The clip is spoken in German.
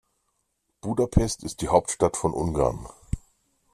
Budapest ist die Hauptstadt von Ungarn.